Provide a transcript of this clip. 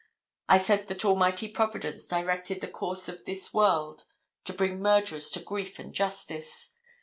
I said that Almighty providence directed the course of this world to bring murderers to grief and justice.